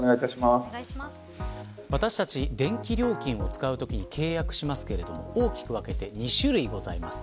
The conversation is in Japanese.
私たち、電気料金を使うときに契約しますけれど大きく分けて２種類ございます。